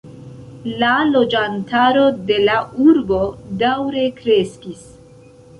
La loĝantaro de la urbo daŭre kreskis.